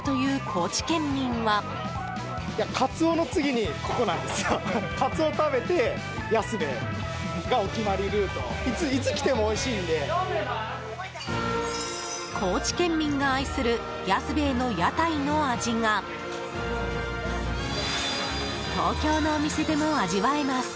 高知県民が愛する安兵衛の屋台の味が東京のお店でも味わえます。